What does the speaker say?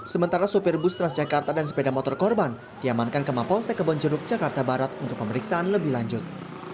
sementara sopir bus transjakarta dan sepeda motor korban diamankan ke mapolsek kebonjeruk jakarta barat untuk pemeriksaan lebih lanjut